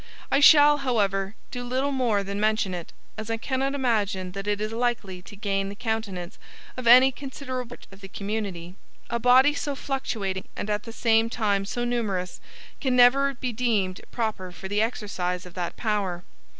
I shall, however, do little more than mention it, as I cannot imagine that it is likely to gain the countenance of any considerable part of the community. A body so fluctuating and at the same time so numerous, can never be deemed proper for the exercise of that power.